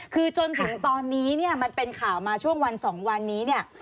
คือจนถึงตอนนี้เนี่ยมันเป็นข่าวมาช่วงวัน๒วันนี้เนี่ย